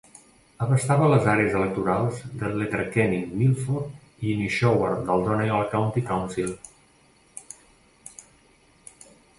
Abastava les àrees electorals de Letterkenny, Milford i Inishowen del Donegal County Council.